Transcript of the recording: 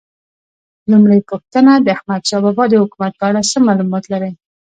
لومړۍ پوښتنه: د احمدشاه بابا د حکومت په اړه څه معلومات لرئ؟